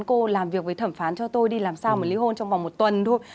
cô làm việc với thẩm phán cho tôi đi làm sao mà ly hôn trong vòng một tuần thôi